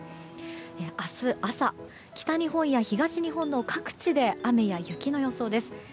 明日朝、北日本や東日本の各地で雨や雪の予想です。